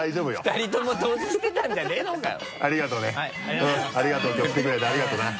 ２人とも透視してたんじゃねぇのかよ。